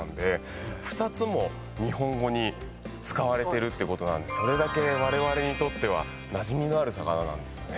２つも日本語に使われてるってことなんでそれだけわれわれにとってはなじみのある魚なんですよね。